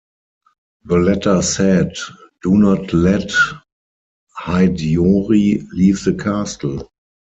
The letter said Do not let Hideyori leave the castle.